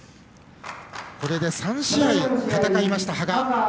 これで３試合戦いました、羽賀。